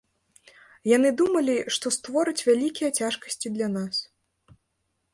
Яны думалі, што створаць вялікія цяжкасці для нас.